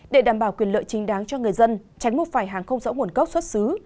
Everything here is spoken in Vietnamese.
để đảm bảo quyền lợi chính đáng cho người dân tránh mua phải hàng không rõ nguồn gốc xuất xứ